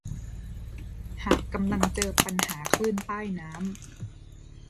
หากกำลังเจอปัญหาคลื่นใต้น้ำ